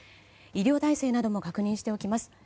医療体制なども確認しておきます。